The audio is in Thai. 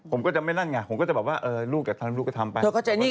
ผมก็จะไม่ลั่งงานผมก็จะบอกว่าลูกก็ทำลูกก็ทำไป